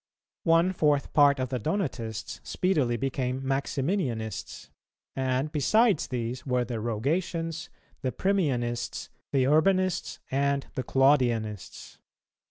One fourth part of the Donatists speedily became Maximinianists; and besides these were the Rogatians, the Primianists, the Urbanists, and the Claudianists.